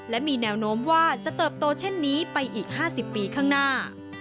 และมีแนวโน้มว่าจะเติบโตเช่นนี้ไปอีก๕๐ปีข้างหน้า